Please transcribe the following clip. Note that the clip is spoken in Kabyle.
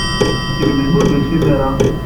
Seg melmi ur d-tusim ara?